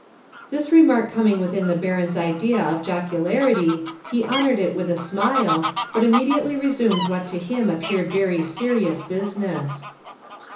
This remark coming within the Baron's idea of jocularity, he honoured it with a smile, but immediately resumed what to him appeared very serious business.